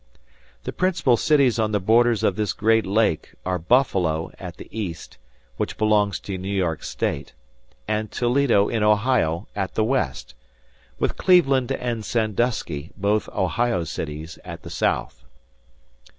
The principal cities on the borders of this great lake are Buffalo at the east, which belongs to New York State, and Toledo in Ohio, at the west, with Cleveland and Sandusky, both Ohio cities, at the south.